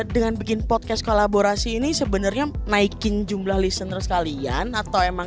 dengan bikin podcast kolaborasi ini sebenarnya naikin jumlah listener sekalian atau emang